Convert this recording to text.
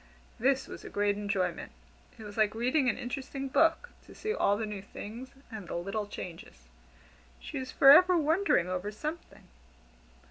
This was a great enjoyment. It was like reading an interesting book to see all the new things, and the little changes. She was forever wondering over something.